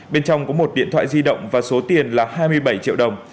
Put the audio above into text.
bên trong có một điện thoại di động và số tiền là hai mươi bảy triệu đồng